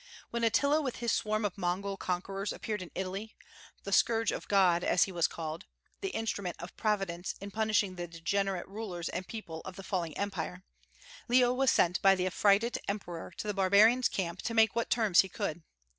When Attila with his swarm of Mongol conquerors appeared in Italy, the "scourge of God," as he was called; the instrument of Providence in punishing the degenerate rulers and people of the falling Empire, Leo was sent by the affrighted emperor to the barbarian's camp to make what terms he could.